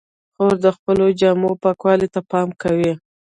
خور د خپلو جامو پاکوالي ته پام کوي.